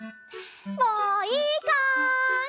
もういいかい？